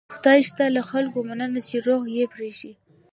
خدای شته له خلکو مننه چې روغ یې پرېښي.